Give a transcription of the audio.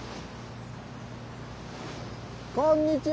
こんにちは！